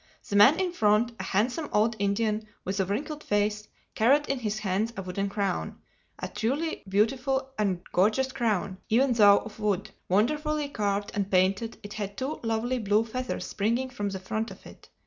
The man in front, a handsome old Indian with a wrinkled face, carried in his hands a wooden crown—a truly beautiful and gorgeous crown, even though of wood. Wonderfully carved and painted, it had two lovely blue feathers springing from the front of it.